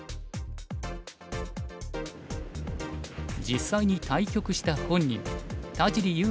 実際に対局した本人田尻悠